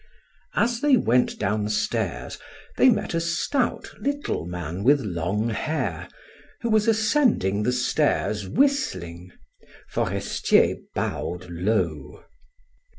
As they went downstairs, they met a stout, little man with long hair, who was ascending the stairs whistling. Forestier bowed low.